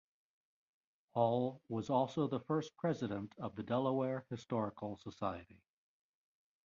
Hall was also the first president of the Delaware Historical Society.